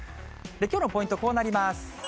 きょうのポイント、こうなります。